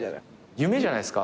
夢じゃないですか。